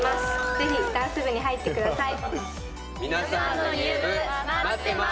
「ぜひダンス部に入ってください」